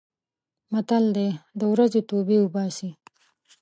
متل: د ورځې توبې اوباسي.